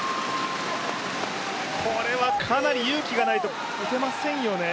これはかなり勇気がないと打てませんよね。